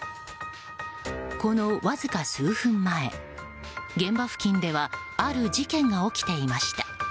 このわずか数分前現場付近ではある事件が起きていました。